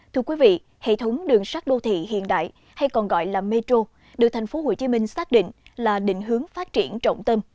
thưa quý vị hệ thống đường sát đô thị hiện đại hay còn gọi là metro được thành phố hồ chí minh xác định là định hướng phát triển trọng tâm